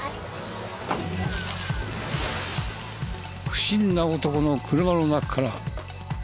不審な男の車の中から。